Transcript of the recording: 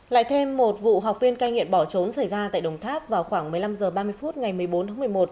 lại thêm một vụ học viên cai nghiện bỏ trốn xảy ra tại đồng tháp vào khoảng một mươi năm h ba mươi phút ngày một mươi bốn tháng một mươi một